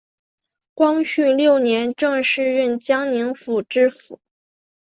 光绪六年正式任江宁府知府。